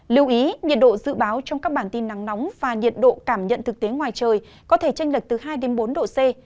lưu ý nhiệt độ dự báo trong các bản tin nắng nóng và nhiệt độ cảm nhận thực tế ngoài trời có thể tranh lệch từ hai bốn độ c